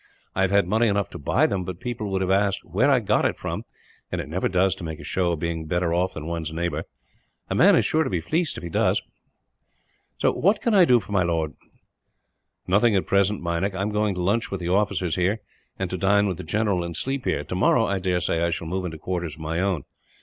I have had money enough to buy them; but people would have asked where I got it from, and it never does to make a show of being better off than one's neighbour. A man is sure to be fleeced, if he does. "What can I do for my lord?" "Nothing, at present, Meinik. I am going to lunch with the officers here, and to dine with the general, and sleep here. Tomorrow I daresay I shall move into quarters of my own.